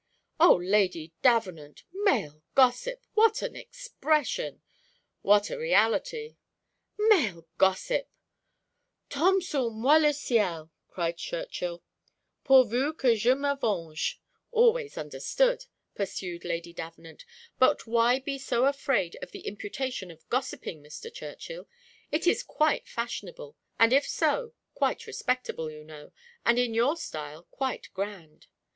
"O, Lady Davenant! male gossip what an expression!" "What a reality!" "Male gossip! 'Tombe sur moi le ciel!'" cried Churchill. "'Pourvu que je me venge,' always understood," pursued Lady Davenant; "but why be so afraid of the imputation of gossiping, Mr. Churchill? It is quite fashionable, and if so, quite respectable, you know, and in your style quite grand.